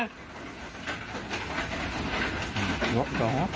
มดกรรม